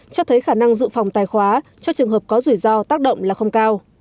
cho thấy khả năng dự phòng tài khóa cho trường hợp có rủi ro tác động là không cao